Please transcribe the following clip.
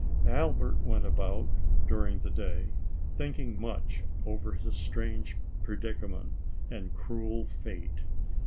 Albert went about, during the day, thinking much over his strange predicament and cruel fate.